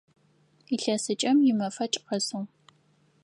Илъэсыкӏэм имэфэкӏ къэсыгъ.